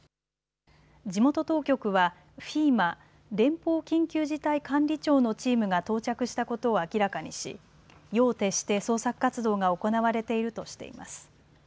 地元当局はＦＥＭＡ・連邦緊急事態管理庁のチームが到着したことを明らかにし夜を徹して捜索活動が行われているとしています。